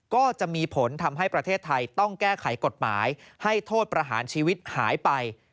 ก็จะมีผลทำให้ประเทศไทยต้องแก้ไขกฎหมายให้โทษประหารชีวิตหายไป